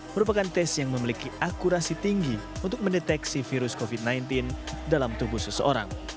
merupakan tes yang memiliki akurasi tinggi untuk mendeteksi virus covid sembilan belas dalam tubuh seseorang